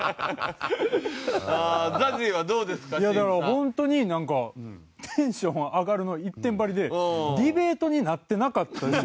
本当になんか「テンション上がる」の一点張りでディベートになってなかったですよね。